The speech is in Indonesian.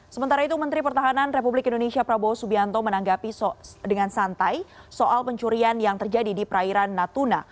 sementara itu menteri pertahanan republik indonesia prabowo subianto menanggapi dengan santai soal pencurian yang terjadi di perairan natuna